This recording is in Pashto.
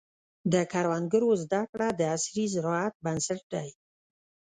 د کروندګرو زده کړه د عصري زراعت بنسټ دی.